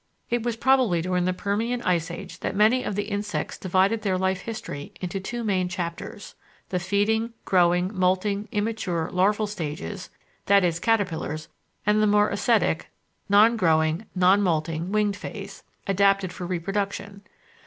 It was probably during the Permian Ice Age that many of the insects divided their life history into two main chapters the feeding, growing, moulting, immature, larval stages, e.g. caterpillars, and the more ascetic, non growing, non moulting, winged phase, adapted for reproduction.